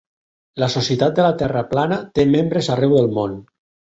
La Societat de la Terra plana té membres arreu del món.